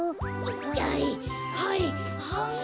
はいはいはい。